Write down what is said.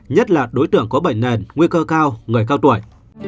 nhất là đối tượng có bệnh nền nguy cơ cao người cao tuổi